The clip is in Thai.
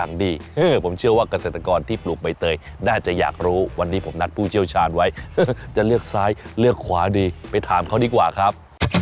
น่าจะอยากรู้วันนี้ผมนัดผู้เจียวชาญไว้จะเลือกซ้ายเลือกขวาดีไปถามเขาดีกว่าครับ